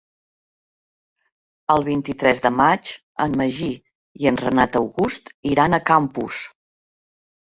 El vint-i-tres de maig en Magí i en Renat August iran a Campos.